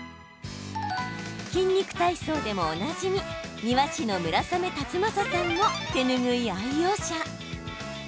「筋肉体操」でもおなじみ庭師の村雨辰剛さんも手ぬぐい愛用者。